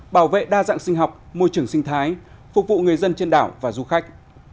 bảo vệ đa dạng sinh học môi trường sinh thái phục vụ người dân trên đảo và du khách